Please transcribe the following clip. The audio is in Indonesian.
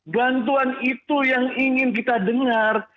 bantuan itu yang ingin kita dengar